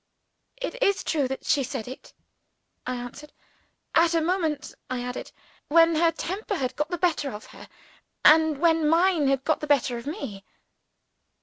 "It is true that she said it," I answered. "At a moment," I added, "when her temper had got the better of her and when mine had got the better of me."